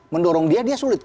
mendorong dia dia sulit